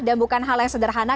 dan bukan hal yang sederhana